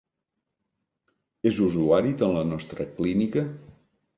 És usuari de la nostra clínica?